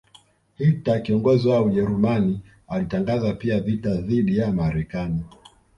Hitler kiongozi wa Ujerumani alitangaza pia vita dhidi ya Marekani